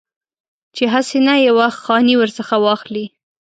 چې هسې نه یو وخت خاني ورڅخه واخلي.